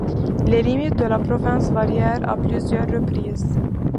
Les limites de la province varièrent à plusieurs reprises.